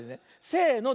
せの。